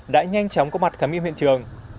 đã nhanh chóng có mặt khám nghiệm hiện trường